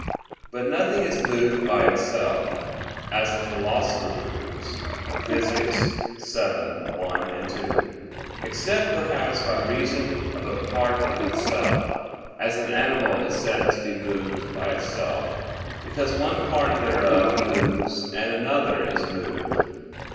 But nothing is moved by itself, as the Philosopher proves (Phys. vii, 1,2); except, perhaps, by reason of a part of itself, as an animal is said to be moved by itself, because one part thereof moves and another is moved.